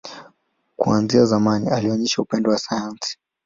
Kuanzia zamani, alionyesha upendo wa sayansi.